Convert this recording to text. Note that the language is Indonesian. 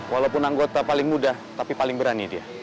walaupun anggota paling mudah tapi paling berani dia